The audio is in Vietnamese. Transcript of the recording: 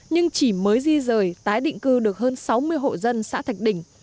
nhưng chỉ mới di rời tái định cư được hơn sáu mươi hộ dân xã thạch đỉnh